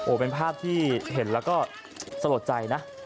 เป็นภาพที่เห็นแล้วก็สลดใจนะ